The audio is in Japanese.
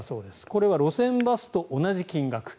これは路線バスと同じ金額。